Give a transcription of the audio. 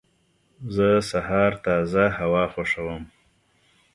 زه د سهار تازه هوا خوښوم.